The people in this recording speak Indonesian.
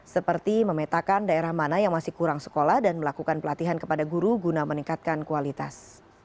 seperti memetakan daerah mana yang masih kurang sekolah dan melakukan pelatihan kepada guru guna meningkatkan kualitas